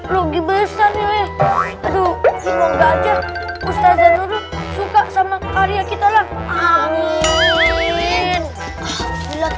logi besar ia wuih aduh cari hanya ustazah nurut suka karena hari yakitalah amin kalau